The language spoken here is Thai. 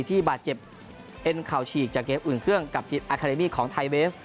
ที่บาดเจ็บเอ็นเข่าฉีกจากเกมอื่นเครื่องกับทีมอาคาเดมี่ของไทยเวฟ